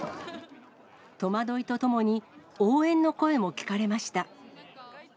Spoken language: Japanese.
戸惑いとともに応援の声も聞かれました。